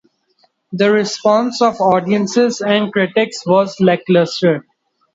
The response of audiences and critics was "lackluster".